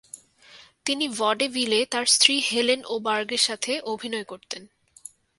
তিনি ভডেভিলে তার স্ত্রী হেলেন ওবার্গের সাথে অভিনয় করতেন।